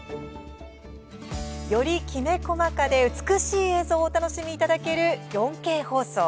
よりきめ細かで美しい映像をお楽しみいただける４Ｋ放送。